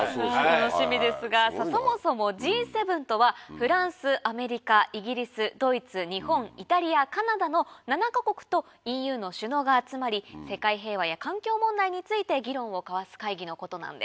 楽しみですがそもそもＧ７とはフランスアメリカイギリスドイツ日本イタリアカナダの７か国とＥＵの首脳が集まり世界平和や環境問題について議論を交わす会議のことなんです。